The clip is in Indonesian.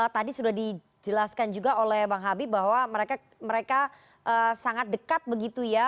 tadi sudah dijelaskan juga oleh bang habib bahwa mereka sangat dekat begitu ya